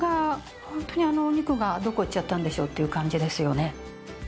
ホントにあのお肉がどこ行っちゃったんでしょうっていう感じですよね。